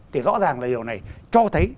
thì rõ ràng là điều này cho thấy